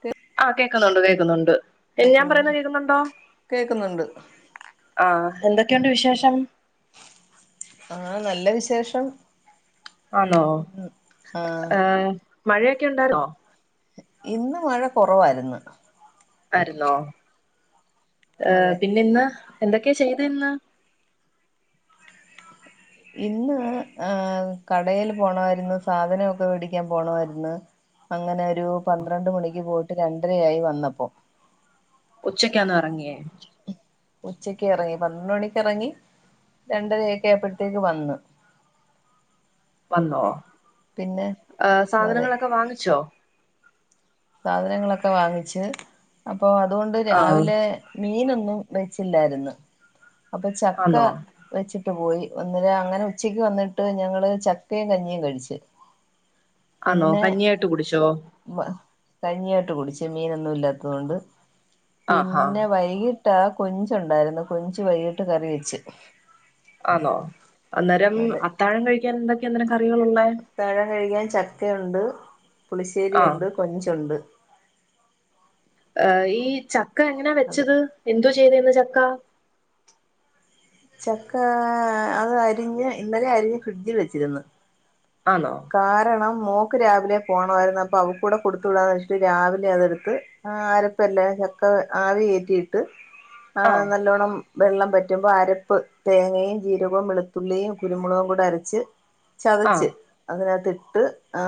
തെ ആഹ്, കേക്കുന്നുണ്ട് കേക്കുന്നുണ്ട് ഏഹ് ഞാൻ പറയുന്ന കേക്കുന്നൊണ്ടോ? കേക്കുന്നുണ്ട് ആഹ് എന്തൊക്കെയുണ്ട് വിശേഷം? ആഹ് നല്ല വിശേഷം. ആന്നോ ഉം ആ ഏഹ് മഴയൊക്കെ ഉണ്ടാര്ന്നോ? ഇന്ന് മഴ കൊറവാര്ന്ന്. ആര്ന്നോ, ഏഹ് അതെ പിന്നെ ഇന്ന് എന്തൊക്കെയാ ചെയ്തെ ഇന്ന് ഇന്ന് ഏഹ് കടേല് പോണാര്ന്ന് സാധനമൊക്കെ വേടിയ്ക്കാൻ പോണവാര്ന്ന്. അങ്ങനെ ഒരു പന്ത്രണ്ട് മണിക്ക് പോയിട്ട് രണ്ട്രയായി വന്നപ്പോ ഉച്ചക്കാന്നോ എറങ്ങേ ഉച്ചക്ക് എറങ്ങി പന്ത്രണ്ട് മണിക്ക് എറങ്ങി രണ്ടരയൊക്കെ ആയപ്പഴ്ത്തേക്ക് വന്ന് വന്നോ പിന്നെ ആഹ് അതെ സാധനങ്ങളൊക്ക വാങ്ങിച്ചോ സാധനങ്ങളൊക്ക വാങ്ങിച്ച് അപ്പോ അതൊണ്ട് ആഹ് രാവിലെ മീനൊന്നും വെച്ചില്ലാരുന്നു അപ്പൊ ചക്ക ആന്നോ വെച്ചിട്ട് പോയി ഒന്നര അങ്ങനെ ഉച്ചക്ക് വന്നിട്ട് ഞങ്ങള് ചക്കയും കഞ്ഞിയും കഴിച്ച് ആന്നോ കഞ്ഞിയായിട്ട് കുടിച്ചോ ഉവ്വ് കഞ്ഞിയായിട്ട് കുടിച്ച് മീനൊന്നും ഇല്ലാത്തോണ്ട് ആഹാ പിന്നെ വൈകി ട്ട് കൊഞ്ച്ണ്ടാരുന്നു കൊഞ്ച് വൈകിട്ട് കറി വെച്ച് ആന്നോ അന്നേരം അതെ അത്താഴം കഴിക്കാൻ എന്തൊക്കെ ന്നരം കറികളുള്ളേ ത്താഴം കഴിക്കാൻ ചക്കയുണ്ട് പുളിശ്ശേരി ആഹ് ഉണ്ട് കൊഞ്ചുണ്ട് ഈ ചക്ക എങ്ങനാ അതെ വെച്ചത് എന്തോ ചെയ്തെന്ന് ചക്ക ചക്കാ അത് അരിഞ്ഞ് ഇന്നലെ അരിഞ്ഞ് ഫ്രിഡ്ജിൽ വെച്ചിരുന്ന് ആന്നോ കാരണം മോക്ക് രാവിലെ പോണോരുന്നു അപ്പോ അവക്കൂടെ കൊടുത്തു വിടാന്ന് വെച്ചിട്ട് രാവിലെ അതെടുത്ത് ആഹ് ആരപ്പല്ലേ ചക്ക ആവി കേറ്റിട്ട് ആ ആഹ് നല്ലോണം വെള്ളം പറ്റുമ്പോ അരപ്പ് തേങ്ങയും ജീരകും വെളുത്തുള്ളിം കുരുമുളകും കൂടെ അരച്ച് ചതച്ച് ആഹ് അതിനകത്ത്ട്ട് ആ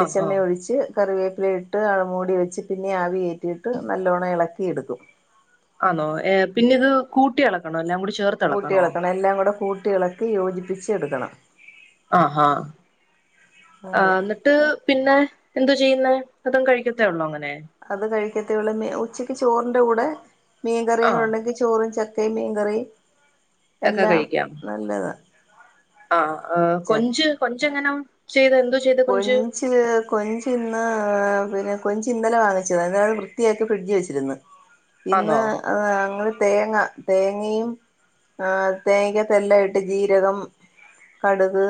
ആഹ് ആഹ് ഒഴിച്ച് കറിവേപ്പില ഇട്ട് മൂടി വെച്ച് പിന്നിം ആവിയേറ്റിട്ട് നല്ലോണം എളക്കിട്ക്കും ആന്നോ എഹ് പിന്നെ ഇത് കൂട്ടി എളക്കണോ എല്ലാം കൂടി ചേർ കൂട്ടി എളക്കണം എല്ലാം കൂടെ കൂട്ടി ഇളക്കി യോജിപ്പിച്ച് എടുക്കണം ആഹ് ഹാ ആ അതെ ന്ന് ട്ട് പിന്നെ എന്തു ചെയ്യുന്നേ അതും കഴിക്കത്തേ ഒള്ളൂ അങ്ങനെ അത് കഴിക്കത്തേയുള്ളൂ മീ ഉച്ചക്ക് ചോറിന്റെ കൂടെ മീൻ കറിയും ആ കൂടെ ഉണ്ടെങ്കി ചോറും ചക്കയും മീൻകറി ഒക്കെ എല്ലാം നല്ലതാ ആഹ് ആ ച കൊഞ്ച് കൊഞ്ച് എങ്ങനം ചെയ്തെ എന്ത് ചെയ്ത് കൊഞ്ച് ഞ്ച് കൊഞ്ചിന്ന് പിന്നെ കൊഞ്ച് ഇന്നലെ വാങ്ങിച്ചതാ അത്‌ വൃത്തിയാക്കി ഫ്രിഡ്ജ് വെച്ചിര്ന്ന് ആന്നോ ഇന്ന് അങ്ങൾ തേങ്ങ തേങ്ങയും ആ തേങ്ങ്യക്കത്ത് എല്ലായിട്ട് ജീരകം കട്ക്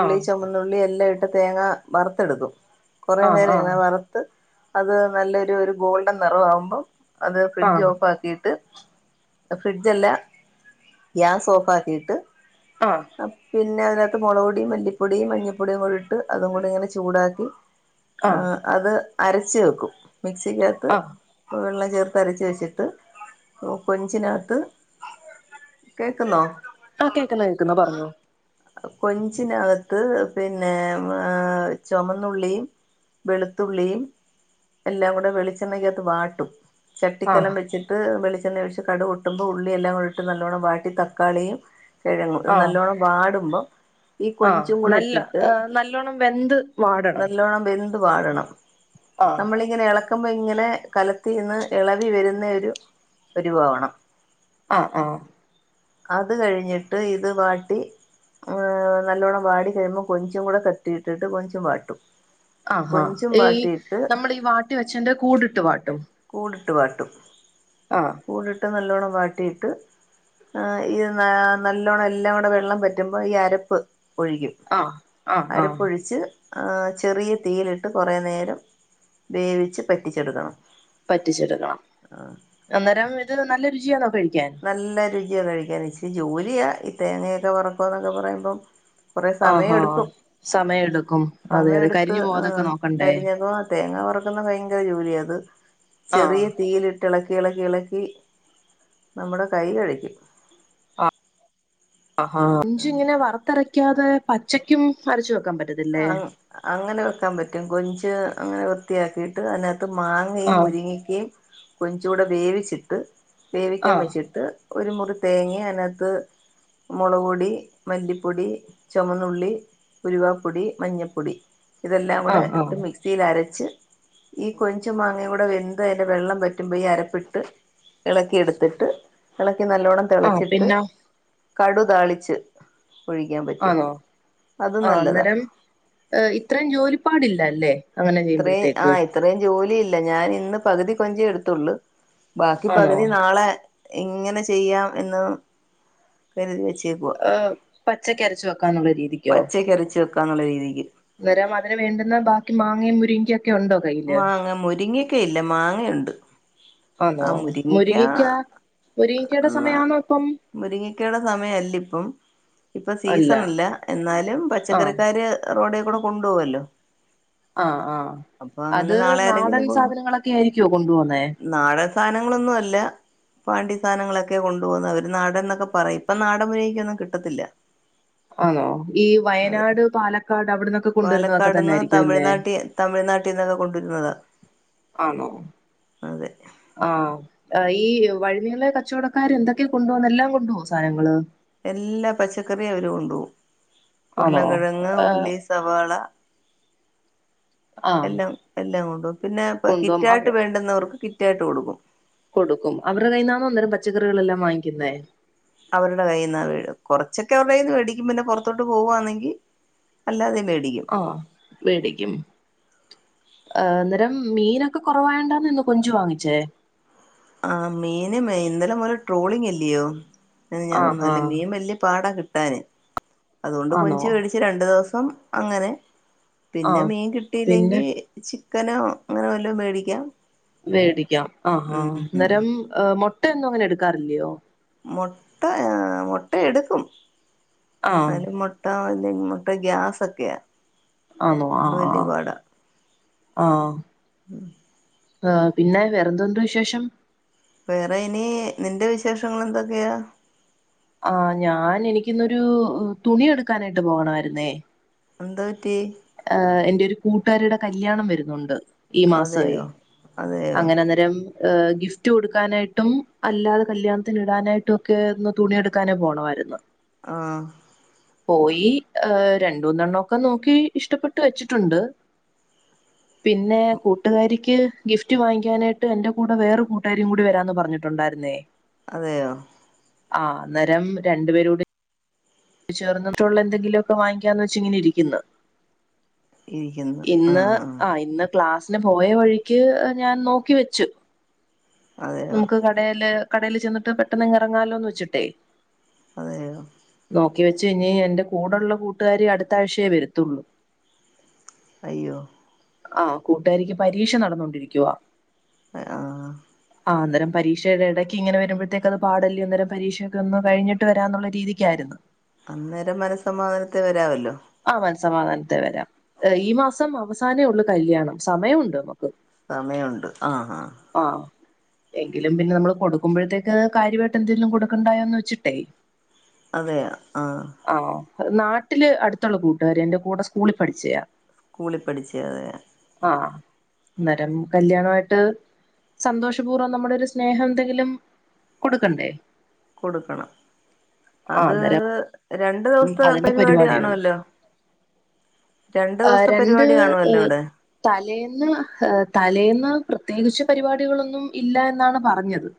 ആ ചൊമന്നുള്ളി എല്ലാം ഇട്ട് തേങ്ങ വർത്തെടുക്കും കൊറേ ആ നേരം ആ ഇങ്ങനെ വറു ത്ത് അത് നല്ലൊരു ഒരു ഗോൾഡൻ നെറവാവുമ്പോ അത് ആ ഫ്രിഡ്ജ് ഓഫാക്കീട്ട് ഫ്രിഡ്ജല്ല ഗ്യാസ് ഓഫാക്കീട്ട് ആഹ് അപിന്നെ അതിനകത്ത് മൊളക് പൊടിം മല്ലിപ്പൊടീം മഞ്ഞപ്പൊടിം കൂടി ഇട്ട് അതും കൂടി ഇങ്ങനെ ചൂടാക്കി ആ അത് അരച്ച് വെക്കും മിക്സിക്കകത്ത് ആ വെള്ളം ചേർത്ത് അരച്ച് വെച്ചിട്ട് ഓ കൊഞ്ചിനകത്ത് കേക്കുന്നോ ആഹ് കേക്ക്ന്ന് കേക്ക്ന്ന് പറഞ്ഞോ കൊഞ്ചിനകത്ത് പിന്നെ ഏഹ് ചൊമന്നുള്ളിം വെളുത്തുള്ളിം എല്ലാം കൂടെ വെളിച്ചെണ്ണേക്കത്ത് വാട്ടും ആ ചട്ടിക്കലം വെച്ചിട്ട് വെളിച്ചെണ്ണ ഒഴിച്ച് കടുക് പൊട്ടുമ്പോ ഉള്ളിയെല്ലാം കൂ ഇട്ട് നല്ലോണം വാട്ടി തക്കാളിയും കിഴങ്ങും ആ നല്ലോണം വാടും മ്പോ ഈ ആ കൊഞ്ചും കൂടെ നല്ല ഇട്ടിട്ട് ആ, നല്ലോണം വെന്ത് വാടണം നല്ലോണം വെ ന്ത് വാടണം ആ നമ്മൾ ഇങ്ങന ഇള ക്കുമ്പോ ഇങ്ങനെ കലത്തിന്ന് എളവി വരുന്ന ഒരു പരിവം ആവണം ആഹ് ആഹ് അത് കഴിഞ്ഞിട്ട് ഇത് വാട്ടി ഏഹ് നല്ലോണം വാടി കഴുമ്പോം കൊഞ്ചും കൂടെ തട്ടിയിട്ടിട്ട് കൊഞ്ചും വാട്ടും. ആഹാ കൊഞ്ചും ഈ വാട്ടിയിട്ട് നമ്മള് ഈ വാട്ടി വെച്ചന്റെ കൂടിട്ട് വാട്ടും കൂടിട്ട് വാട്ടും ആഹ് കൂടിട്ട് നല്ലോണ്ണം വാട്ടിയിട്ട് ഏഹ് ഇത് നല്ലോണ്ണം എല്ലാം കൂടെ വെള്ളം പ റ്റുമ്പോ ഈ അരപ്പ് ഒഴിക്കും ആഹ് ആഹ് ആഹ് അരപ്പ് ഒഴിച്ച് ആഹ് ചെറിയ തീയിലിട്ട് കുറേ നേരം വേവിച്ച് പറ്റിച്ചെടുക്കണം പറ്റിച്ചെടുക്കണം അന്നേരം ഒരു നല്ല രുചിയാന്നോ കഴിക്കാൻ നല്ല രുചിയാണ് കഴിക്കാൻ ഇച്ചിരി ജോലിയാ ഈ തേങ്ങയൊക്കെ വറക്കുക എന്നൊക്കെ പറയുമ്പം കുറെ സമയം ആഹാ എടുക്കും സമയം എടുക്കും അതെ അതെ സമയെടുത്ത് കരിഞ്ഞു പോവാതൊക്കെ ആഹ് നോക്കണ്ടേ കരി തേങ്ങ വറക്കുന്ന ഭയങ്കര ജോലിയാത് ആഹ് ചെറിയ തീയിലിട്ട് എളക്കി എളക്കി എളക്കി നമ്മുടെ കൈ കെഴക്കും കൊഞ്ച് ആഹ് ഇങ്ങനെ വറത്തെരക്കാതെ പച്ചക്കും അരച്ച് വെക്കാൻ പ അങ്ങനെ വെക്കാൻ പറ്റും കൊഞ്ച് അങ്ങനെ വൃത്തിയാക്കിട്ട് അതിനക അത് മാങ്ങയും ആഹ് മുരിങ്ങിക്കയും കൊഞ്ചുടെ വേവിച്ചിട്ട് വേവിക്കാൻ ആഹ് വെച്ചിട്ട് ഒരു മുറി തേങ്ങയും അതിനകത്ത് മുളക്പൊടി മല്ലിപ്പൊടി ചുമന്നുള്ളി ഉലുവാ പൊടി മഞ്ഞപ്പൊടി ഇതെല്ലാം കൂടെ ആഹ് ആഹ് ഇട്ട് മിക്സിയിൽ അരച്ച് ഈ കൊഞ്ചു മാങ്ങയും കൂടെ വെന്ത് അതിൻ്റെ വെള്ളം പറ്റുമ്പോൾ ഈ അരപ്പിട്ട് ഇളക്കിയെടുത്തിട്ട് ഇളക്കി നല്ലവണ്ണം ആഹ് തിളച്ചിട്ട് പിന്നെ കടു താളിച്ച് ഒഴിക്കാൻ പറ്റും ആണോ അത് നല്ലതാ ഏഹ് ഇത്രയും ജോലിപ്പാടില്ലല്ലേ ഇത്രയും ആഹ് ഇത്രയും ജോലിയില്ല ഞാൻ ഇന്ന് പകുതി കൊഞ്ചേ എടുത്തുള്ളു ബാക്കി ആണോ പകുതി നാളെ ഇങ്ങനെ ചെയ്യാം എന്ന് കരുതി വെച്ചേക്കുവാ ഏഹ് പച്ചക്ക് അരച്ചു വെക്കാന്നുള്ള രീതിക്കോ പച്ചക്കരച്ച് വെക്കാന്നുള്ള രീതിക്ക് അന്നേരം അതിന് വേണ്ടുന്ന ബാക്കി മാങ്ങയും മുരിങ്ങക്കയും ഒക്കെ ഉണ്ടോ കയ്യില് മാങ്ങ മുരിങ്ങക്ക ഇല്ല മാങ്ങയുണ്ട്. ആണോ ആ മുരിങ്ങക്ക മുരിങ്ങക്കാ മുരിങ്ങക്കേടെ എന്നാ സമയാന്നോ ഇപ്പം. മുരിങ്ങക്കയുടെ സമയല്ല ഇപ്പം ഇപ്പ സീസൺ അല്ല എന്നാലും ആഹ് പച്ചക്കറിക്കാര് റോഡി കൂടെ കൊണ്ടുപോകുവല്ലോ ആഹ് ആഹ് അങ്ങനെ അത് നാളെ നാടൻ ആരെങ്കിലും കൊണ്ടോ സാധനങ്ങളൊക്കെ ആയിരിക്കോ കൊണ്ടു പോന്നേ? നാടൻ സാനങ്ങളൊന്നും അല്ല പാണ്ടി സാധനങ്ങളൊക്കെ കൊണ്ട് പോകുന്നത് അവര് നാടൻ ന്നൊക്കെ പറയും ഇപ്പൊ നാടൻ മുരിങ്ങക്കയൊന്നും കിട്ടത്തില്ല ആണോ ഈ അതെ വയനാട് പാലക്കാട് അവിടന്നൊക്കെ കൊണ്ടുവരുന്നതൊക്കെ തന്നെ ആയിരിക്കും അല്ലേ തമിഴ്നാട്ടിൽന്നത് കൊണ്ടുവരുന്നതാ ആന്നോ അതെ ആഹ് ആഹ് ഈ വഴിയിലെ കച്ചോടക്കാര് എന്തൊക്കെ കൊണ്ടുവന്ന് എല്ലാം കൊണ്ടുവോ സാധനങ്ങള്. എല്ലാ പച്ചക്കറി അവര് കൊണ്ടൊവും ഉർളം ആണോ കെഴങ്ങ് ഏഹ് ഉള്ളി സവാള ആഹ് എല്ലാം എല്ലാം കൊണ്ടൊവും പിന്നെ കൊണ്ടുപോകും കിറ്റായിട്ട് അവ വേണ്ടുന്നവർക്ക് കിറ്റായിട്ട് കൊടുക്കും കൊടുക്കും അവർടെ കൈയ്യിന്നാന്നോ അന്നേരം പച്ചക്കറികളെല്ലാം വാങ്ങിക്കിന്നേ. അവർടെ കയ്യിൽന്നാ വീഴും കൊറച്ചൊക്കെ അവർടെന്ന് മേടിക്കും പിന്നെ പുറത്തോട്ട് പോവാന്നെങ്കിൽ- അല്ലാതെ മേടിക്കും. ആഹ് മേടിക്കും. ഏഹ് അന്നേരം മീനൊക്കെ കൊറവായണ്ടാന്ന് ഇന്ന് കൊഞ്ച് വാങ്ങിച്ചേ? ആഹ് മീന് ഇന്നല മുതല് ട്രോളിങ് അല്ലിയോ- ആഹ് ഞാനൊന്നുല്ല മീൻ വല്ല്യേ പാടാ കിട്ടാന്- അതുകൊണ്ട് ആണോ കൊഞ്ച് കഴിച്ച് രണ്ടു ദിവസം അങ്ങനെ പിന്നെ ആഹ് മീൻ പിൻ കിട്ടിയില്ലെങ്കി- ചിക്കനോ അങ്ങന വല്ലോം മേടിക്കാം- മേടിക്കാം ആഹാ ഉം ഉം അന്നേരം മൊട്ടയൊന്നും അങ്ങനെ എടുക്കാറില്ലയോ? മൊട്ട മൊട്ട എടുക്കും ആഹ് അല്ലേൽ മൊ [inaudible] മുട്ട ഗ്യാസൊക്കെയ. ആന്നോ ആഹ് ആഹ് ആഹ്- ആഹ് പിന്നെ വെറെന്തുണ്ട് വിശേഷം? വേറെ ഇനി നിന്റെ വിശേഷങ്ങളെന്തൊക്കെയാ? ആഹ് ഞാൻ എനിക്കിന്നൊരു തുണി എടുക്കാനായിട്ട് പോകണമായിരുന്നേ- എന്തു പറ്റി? ഏഹ് എന്റെ ഒരു കൂട്ടാരീടെ കല്യാണം വരുന്നുണ്ട്. ഈ മാസവേ അതെയോ അതെയോ അങ്ങന അന്നേരം- എഹ് ഗിഫ്റ്റ് കൊടുക്കാനായിട്ടും അല്ലാതെ കല്യാണത്തിന് ഇടാനായിട്ടൊക്കെ ഒന്ന് തുണിയെടു ക്കാന് പോണമായിരുന്നു. ആഹ്- പോയി രണ്ടൂന്നെണ്ണോക്കെ നോക്കി ഇഷ്ടപ്പെട്ട് വെച്ചിട്ടുണ്ട്. [inaudible] പിന്നെ കൂട്ടുകാരിക്ക് ഗിഫ്റ്റ് വാങ്ങിക്കാനായിട്ട് എന്റെ കൂടെ വേറെ കൂട്ടുകാരിയും കൂടി വരാന്ന് പറഞ്ഞു. ഉണ്ടായിരുന്നേ- അതേയോ? ആഹ് അന്നരം രണ്ടുപേരൂടി- ചേർന്നിട്ടുള്ള എന്തെങ്കിലൊക്കെ വാങ്ങിക്കാന്ന് വച്ച് ഇങ്ങനെ ഇരിക്കുന്നു. ഇന്ന് ആഹ് ഇന്ന് ക്ലാസിന് പോയ വഴിക്ക് ഞാൻ നോക്കി വെച്ചു. അതെയോ നമുക്ക് കടേല് കടേല് ചെന്നിട്ട് പെട്ടെന്ന് ഇങ്ങ് ഇറങ്ങാലോന്ന് വെച്ചിട്ടേ- അതെയോ? നോക്കി വെച്ചു ഇനി എന്റെ കൂടെള്ള കൂട്ടുകാരി അടുത്താഴ്ചയേ വരുത്തുള്ളൂ. അയ്യോ- ആഹ് കൂട്ടുകാരിക്ക് പരീക്ഷ നടന്നോണ്ടിരിക്കുവ. ആഹ്- ആഹ് അന്നേരം പരീക്ഷേടെ എടയ്ക്ക് ഇങ്ങനെ വരുമ്പഴെത്തേക്ക് അത് പാടല്ലേ അന്നേരം പരീക്ഷക്കെ ഒന്ന് കഴിഞ്ഞിട്ട് വരാന്നുള്ള രീതിക്കായിരുന്നു. അന്നേരം മനസ്സമാധാനത്ത് വരാവല്ലോ? ആഹ് മനസമാധാനത്തെ വരാം ഈ മാസം അവസാനേ ഒള്ളൂ കല്യാണം സമയൊണ്ട് നമുക്ക്- സമയുണ്ട് ആഹ് ആഹ് - ആഹ് എങ്കിലും പിന്നെ നമ്മള് കൊടുക്കുമ്പോഴത്തേക്ക് കാര്യമായിട്ട് എന്തേലും കൊടുക്കണ്ടായോ എന്ന് വെച്ചിട്ടേ- അതെയോ ആഹ്? ആണോ നാട്ടില് അടുത്തുള്ള കൂട്ടുകാരിയ എന്റെ കൂടെ സ്കൂളിൽ പഠിച്ചയാ- സ്കൂളിൽ പഠിച്ചതെ- ആഹ് അന്നേരം കല്യാണമായിട്ട്, സന്തോഷപൂർവം നമ്മുടെ ഒരു സ്നേഹം എന്തെങ്കിലും കൊടുക്കണ്ടേ കൊടുക്കണം. ആഹ് അത് അന്നേരം രണ്ടു ദിവസത്തെ അതിന്റെ പരിപാടികള് പരിപാടിയാണല്ലോ രണ്ടു ദിവസത്തെ രണ്ട് പരിപാടി കാണുവല്ലോ അവിടെ തലേന്ന്, തലേന്ന് പ്രത്യേകിച്ച് പരിപാടികളൊന്നും ഇല്ല എന്നാണ് പറഞ്ഞത്.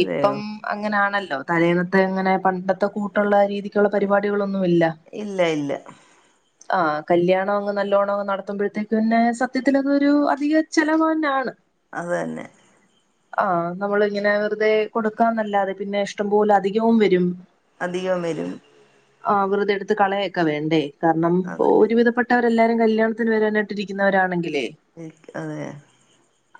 അതെയോ ഇപ്പം അങ്ങനെയാണല്ലോ, തലേന്നത്തെ ഇങ്ങനെ പണ്ടത്തെ കൂട്ട് ട്ടുള്ള രീതിക്കുള്ള പരിപാടികളൊന്നുമില്ല ഇല്ല ഇല്ല [inaudible] ആഹ് കല്യാണം അങ്ങ് നല്ലോണ്ണം അങ് നടത്തുമ്പോഴത്തേക്ക്ന്നെ സത്യത്തിൽ അതൊരു അധിക ചെലവന്നാണ്. അതു തന്നെ ആഹ് നമ്മളിങ്ങനെ വെറുതെ കൊടുക്കാന്നല്ലാതെ, പിന്നെ ഇഷ്ടംപോലെ അധികവും വരും. അധികം വരും. ആ വെറുതെടുത്ത് കളയൊക്കെ വേണ്ടേ. കാരണം അതെ ഒരുവിധപ്പെട്ട വരെല്ലാരും കല്യാണത്തിന് വരാനായിട്ടിരിക്കുന്നവരാണെങ്കിലേ അതെ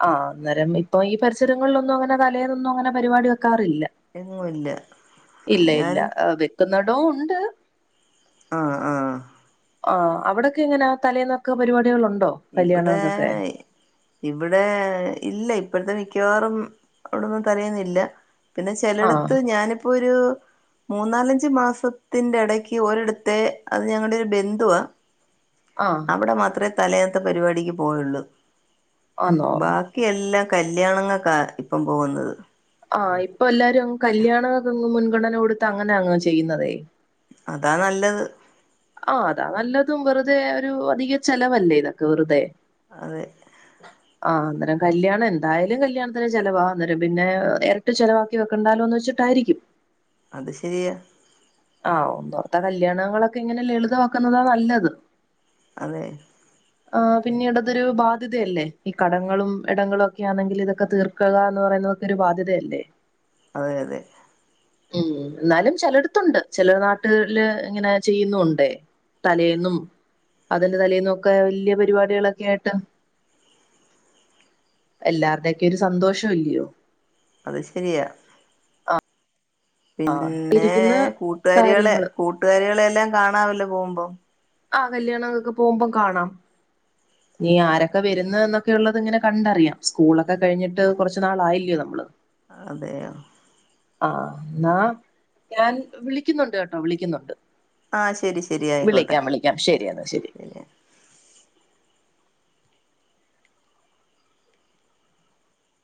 ആഹ് അന്നേരം ഇപ്പൊ ഈ പരിസരങ്ങളിലൊന്നും അങ്ങനെ തലേന്നൊന്നും, അങ്ങനെ പരിപാടി വെക്കാറില്ല. എങ്ങുമില്ല. ഇല്ല ഇല്ല ഞാനും ആ വെക്കുന്നിടോം ഉണ്ട്. ആഹ് ആഹ് ആ അവിടൊക്കെ എങ്ങനെയാ, തലേന്നൊക്കെ പരിപാടികൾ ഉണ്ടോ ഇവിടെ ഇവിടെ ഇല്ല ഇപ്പോഴത്തെ മിക്കവാറും അവിടൊന്നും തലേന്നില്ല. പിന്നെ ആഹ് ചിലടത്ത് ഞാനിപ്പോ ഒരു മൂന്നാലഞ്ച് മാസത്തിന്റെ ഇടയ്ക്ക് ഒരിടത്ത്, അത് ഞങ്ങളുടെ ഒരു ബന്ധുവാ ആഹ് ഇവിടെ മാത്രമേ തലേന്നത്തെ പരിപാടിക്ക് പോകലുള്ളൂ ആന്നോ ബാക്കി.. ക്കി എല്ലാം കല്യാണങ്ങൾക്കാ ഇപ്പം പോകുന്നത്. ആഹ് ഇപ്പൊ എല്ലാരും കല്യാണങ്ങൾക്ക് മുൻഗണന കൊടുത്ത് അങ്ങനെ അങ്ങ് ചെയ്യുന്നതെ. അതാ നല്ലത്. ആ അതാ നല്ലതും. വെറുതെ ഒരു അധിക ചെലവല്ലേ ഇതൊക്കെ വെറുതെ അതെ ആഹ് അന്നേരം കല്യാണം, എന്തായാലും കല്യാണത്തിന് ചെലവാ. അന്നേരം പിന്നെ ഇരട്ടി ചെലവാക്കി ക്കി വെക്കണ്ടാലോന്ന് വെച്ചിട്ടായിരിക്കും. അത് ശരിയാ ആഹ് ഒന്നോർത്താൽ കല്യാണങ്ങളൊക്കെ ഇങ്ങനെ ലളിതമാക്കുന്നതാ നല്ലത്. അതെ ആ പിന്നീടതൊരു ബാധ്യതയല്ലേ. ഈ കടങ്ങളും ഇടങ്ങളും ഒക്കെ ആണെങ്കിൽ ഇതൊക്കെ തീർക്ക ക്കുക എന്ന് പറയുന്നതൊക്കെ ഒരു ബാധ്യതയല്ലേ. അതെ അതെ ഉം എന്നാലും ചിലടുത്തുണ്ട്. ചെല നാട്ടുകളില് ഇങ്ങനെ ചെയ്യുന്നുണ്ട് തലേന്നും അതിന്റെ തലേന്നൊക്കെ വലിയ പരിപാടികളൊക്കെ ആയിട്ട്. എല്ലാരുടെ ഒക്കെ ഒരു സന്തോഷം എല്ലയോ അത് ശരിയാണ് പിന്നേ ഇരിക്കുന്ന കൂട്ടുകാരികളെ, കാര്യങ്ങള് കൂട്ടുകാരികളെ എല്ലാം കാണാവല്ലോ പോകുമ്പം. ആ കല്യാണങ്ങക്ക് പോകുമ്പം കാണാം ഇനി ആരൊക്കെ വരുന്നേ എന്നൊക്കെ ഉള്ളത് ഇങ്ങനെ കണ്ടറിയാം. സ്കൂളൊക്കെ കഴിഞ്ഞിട്ട് കൊറച്ച് നാളായില്ല്യോ നമ്മള്. അതേയോ. ആ എന്നാ ഞാൻ വിളിയ്ക്കുന്നുണ്ട് കെട്ടോ വിളിയ്ക്കുന്നുണ്ട്. ആ ശരി ശരി ആയിക്കോട്ടെ യാ ശരി എന്നാ ശരി